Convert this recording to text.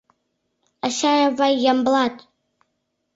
Ачай, авай, Ямблат!..»